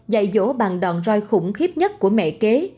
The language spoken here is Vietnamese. dạy dỗ bằng đòn roi khủng khiếp nhất của mẹ kế